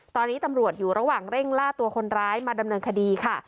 ตอนนี้ตำรวจอยู่ระหว่างเร่งล่าตัวคนร้ายมาดำเนินคดีค่ะ